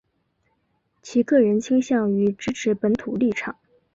其个人倾向于支持本土立场。